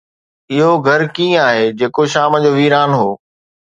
اهو گهر ڪيئن آهي جيڪو شام جو ويران هو.